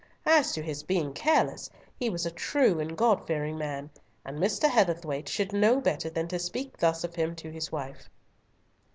As to his being careless, he was a true and God fearing man, and Mr. Heatherthwayte should know better than to speak thus of him to his wife.